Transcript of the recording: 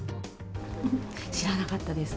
知らなかったです。